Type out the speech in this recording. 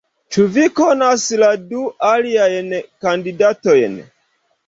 Ĉu vi konas la du aliajn kandidatojn?